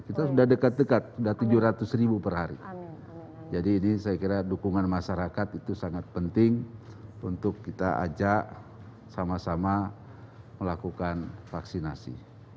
kita sudah dekat dekat sudah tujuh ratus ribu per hari jadi ini saya kira dukungan masyarakat itu sangat penting untuk kita ajak sama sama melakukan vaksinasi